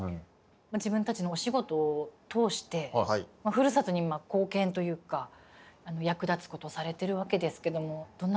自分たちのお仕事を通してふるさとに今貢献というか役立つことされてるわけですけどもどんな気持ちですか？